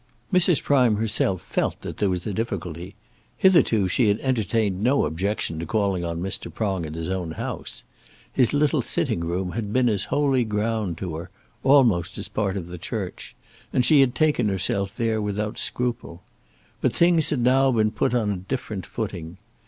Mrs. Prime herself felt that there was a difficulty. Hitherto she had entertained no objection to calling on Mr. Prong at his own house. His little sitting room had been as holy ground to her, almost as part of the church, and she had taken herself there without scruple. But things had now been put on a different footing.